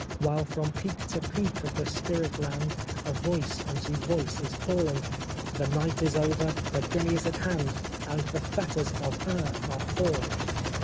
While from peak to peak of the spirit land A voice unto voice is calling :' The night is over, the day is at hand, And the fetters of earth are falling